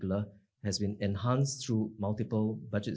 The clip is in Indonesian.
melalui beberapa pengaturan budjet